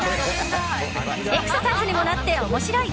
エクササイズにもなって面白い！